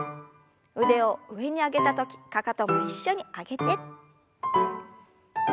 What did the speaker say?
腕を上に上げた時かかとも一緒に上げて。